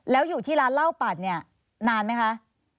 แล้วอยู่ที่ร้านเหล้าปัดเนี่ยนานไหมคะ